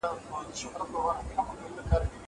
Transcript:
زه له سهاره کتاب وليکم!!